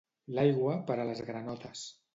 L'aigua, per a les granotes.